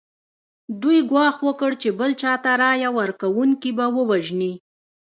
دوی ګواښ وکړ چې بل چا ته رایه ورکونکي به ووژني.